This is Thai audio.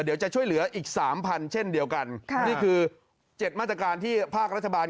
เดี๋ยวจะช่วยเหลืออีกสามพันเช่นเดียวกันค่ะนี่คือ๗มาตรการที่ภาครัฐบาล